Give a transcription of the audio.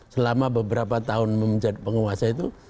selama beberapa tahun menjadi penguasa itu